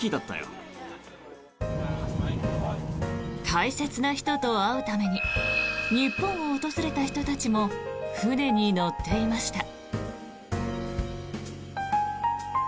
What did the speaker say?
大切な人と会うために日本を訪れた人たちも船に乗っていました。